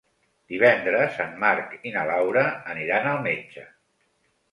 Divendres en Marc i na Laura aniran al metge.